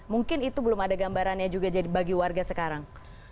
mungkin itu belum ada gambarannya juga bagi warga sekarang